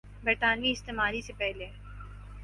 برطانوی استعماری سے پہلے